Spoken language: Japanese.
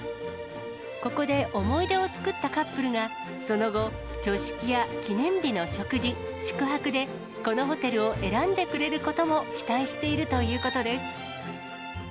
ここで思い出を作ったカップルが、その後、挙式や記念日の食事、宿泊で、このホテルを選んでくれることも期待しているということです。